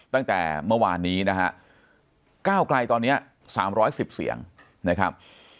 ตั้งแต่เมื่อวานนี้นะฮะก้าวไกลตอนนี้๓๑๐เสียงนะครับ